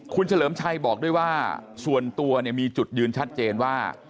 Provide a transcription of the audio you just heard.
คุณเฉลิมชัยบอกด้วยว่าส่วนตัวมีจุดยืนชัดเจนว่า